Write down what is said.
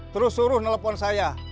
terus suruh telepon saya